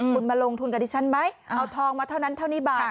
คุณมาลงทุนกับดิฉันไหมเอาทองมาเท่านั้นเท่านี้บ้าง